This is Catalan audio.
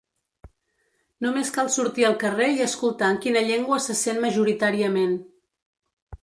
Només cal sortir al carrer i escoltar en quina llengua se sent majoritàriament….